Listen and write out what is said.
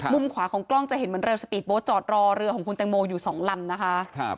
มุมขวาของกล้องจะเห็นเหมือนเรือสปีดโบ๊ทจอดรอเรือของคุณแตงโมอยู่สองลำนะคะ